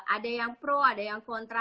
ada yang pro ada yang kontra